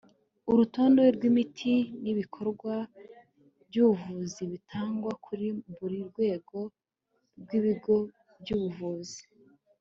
urutonde rw'imiti n'ibikorwa by'ubuvuzi bitangwa kuri buri rwego rw'ibigo by'ubuvuzi